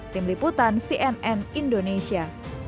tim liputan cnn indonesia